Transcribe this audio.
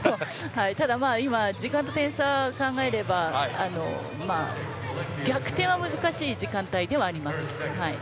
ただ、時間と点差を考えれば逆転は難しい時間帯ではあります。